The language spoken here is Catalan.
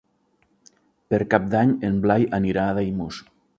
Per Cap d'Any en Blai anirà a Daimús.